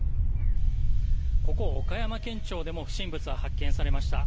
ここ岡山県庁でも不審物が発見されました。